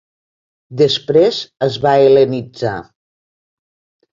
Després es va hel·lenitzar.